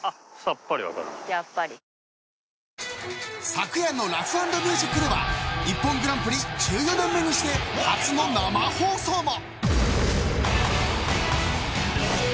昨年のラフ＆ミュージックにはＩＰＰＯＮグランプリ１４年目にして初の生放送も。